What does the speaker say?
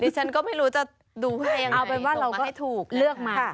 ฉันก็ไม่รู้จะดูว่าจะให้ยังไงส่งมาให้ถูกใช่ค่ะเอาเป็นเรื่องมา